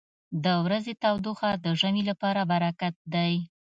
• د ورځې تودوخه د ژمي لپاره برکت دی.